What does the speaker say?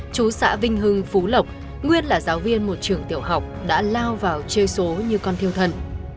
chú xã vinh hưng phú lộc nguyên là giáo viên một trường tiểu học đã lao vào chê số như con thiêu thần